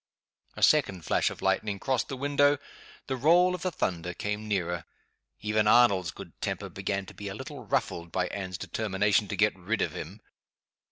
A second flash of lightning crossed the window; the roll of the thunder came nearer. Even Arnold's good temper began to be a little ruffled by Anne's determination to get rid of him.